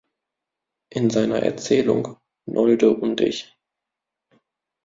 In seiner Erzählung „Nolde und Ich.